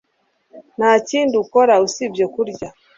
Nta kindi ukora usibye kurya